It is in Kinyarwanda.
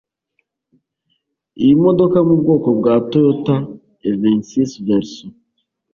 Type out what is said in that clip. Iyi modoka yo mu bwoko bwa Toyota Evensis verso